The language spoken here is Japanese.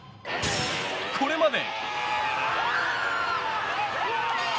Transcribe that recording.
これまで。